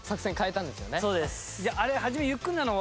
そうです。